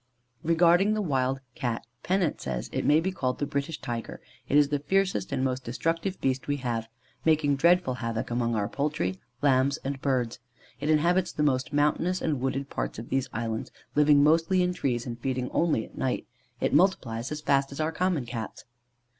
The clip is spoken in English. Regarding the wild Cat, Pennant says, "It may be called the 'British Tiger': it is the fiercest and most destructive beast we have; making dreadful havoc amongst our poultry, lambs and birds. It inhabits the most mountainous and wooded parts of these islands, living mostly in trees and feeding only at night. It multiplies as fast as our common Cats."